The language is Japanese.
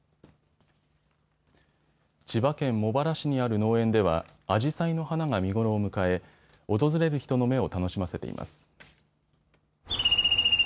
千葉県茂原市にある農園ではアジサイの花が見頃を迎え訪れる人の目を楽しませています。